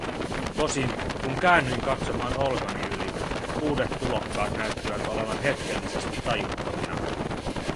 Tosin, kun käännyin katsomaan olkani yli, uudet tulokkaat näyttivät olevan hetkellisesti tajuttomina.